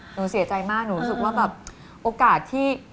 หนูรู้สึกว่าโอกาสที่